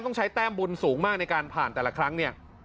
ต้องใช้แต้มบุญสูงมากในการผ่านแต่ละครั้งเนี่ย